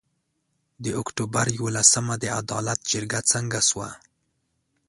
د اُکټوبر یولسمه د عدالت جرګه څنګه سوه؟